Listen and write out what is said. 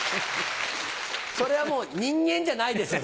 それはもう人間じゃないですよ。